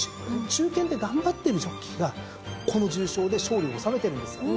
中堅で頑張ってるジョッキーがこの重賞で勝利を収めてるんですよ。